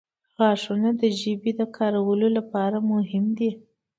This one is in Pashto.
• غاښونه د ژبې د کارولو لپاره مهم دي.